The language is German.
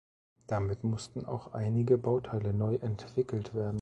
Damit mussten auch einige Bauteile neu entwickelt werden.